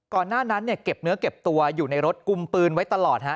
หน้านั้นเนี่ยเก็บเนื้อเก็บตัวอยู่ในรถกุมปืนไว้ตลอดฮะ